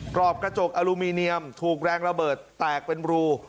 รอบกระจกอลูมิเนียมถูกแรงระเบิดแตกเป็นรู